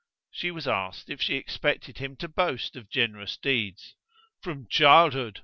!" She was asked if she expected him to boast of generous deeds. "From childhood!"